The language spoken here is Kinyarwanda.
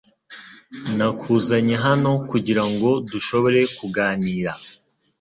Nakuzanye hano kugirango dushobore kuganira .